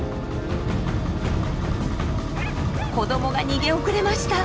子どもが逃げ遅れました。